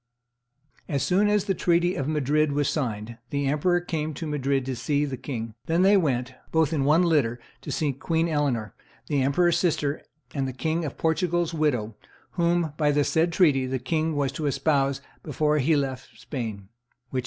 "As soon as the treaty of Madrid was signed, the emperor came to Madrid to see the king; then they went, both in one litter, to see Queen Eleanor, the emperor's sister and the king of Portugal's widow, whom, by the said treaty, the king was to espouse before he left Spain, which he did."